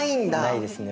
ないですね